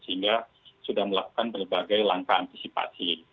sehingga sudah melakukan berbagai langkah antisipasi